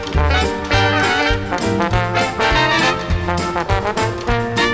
โปรดติดตามต่อไป